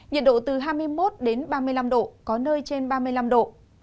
nhiệt độ từ hai mươi một đến ba mươi năm độ có nơi trên ba mươi năm độ